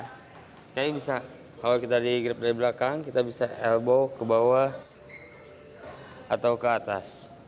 oke kalau kita digrip dari belakang kita bisa elbow ke bawah atau ke atas